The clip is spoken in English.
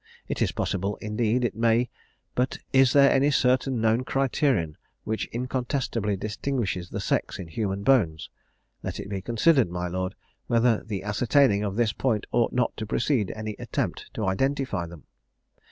It is possible, indeed, it may; but is there any certain known criterion which incontestably distinguishes the sex in human bones? Let it be considered, my lord, whether the ascertaining of this point ought not to precede any attempt to identify them?